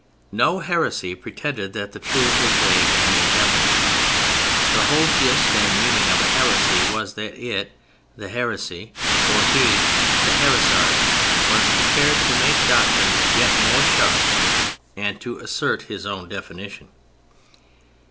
No heresy pretended that the truth was vague and indefinite. The whole gist and meaning of a heresy was that it, the heresy, or he, the heresiarch, was prepared to make doctrine yet more sharp, and to assert his own definition.